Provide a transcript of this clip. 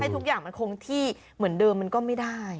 ทุกอย่างมันคงที่เหมือนเดิมมันก็ไม่ได้